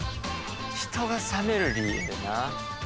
人が冷める理由な。